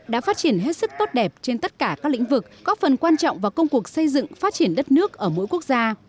đã phát triển hết sức tốt đẹp trên tất cả các lĩnh vực có phần quan trọng vào công cuộc xây dựng phát triển đất nước ở mỗi quốc gia